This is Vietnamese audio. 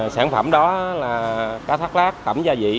sản phẩm đó là cá thác lát tổng gia vị